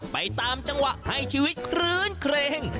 ไปตามจังหวะให้ชีวิตคลื้นเครง